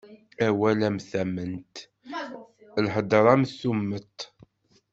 Awal am tamment, lhedṛa am tummeṭ.